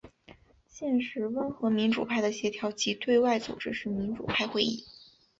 现时温和民主派的协调及对外组织是民主派会议。